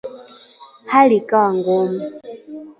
Hali ikawa ngumu